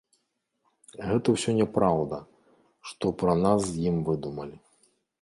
Гэта ўсё няпраўда, што пра нас з ім выдумалі.